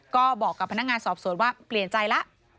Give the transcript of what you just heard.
ก็บอกกับพนักงานสอบสวนว่าเปลี่ยนใจแล้ว